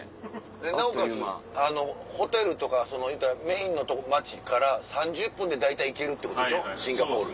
なおかつホテルとかいうたらメインの街から３０分で大体行けるってことでしょシンガポール。